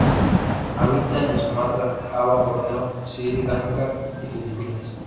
Habita en Sumatra, Java, Borneo, Sri Lanka y Filipinas.